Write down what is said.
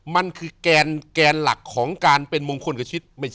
มันคือแกนหลักของการเป็นมงคลกับชีวิต